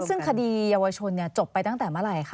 ซึ่งคดีเยาวชนจบไปตั้งแต่เมื่อไหร่คะ